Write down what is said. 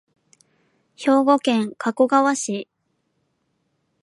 兵庫県加古川市